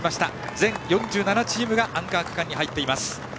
全４７チームがアンカー区間に入っています。